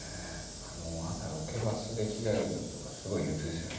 朝ロケバスで着替える時とかすごい憂鬱ですよね。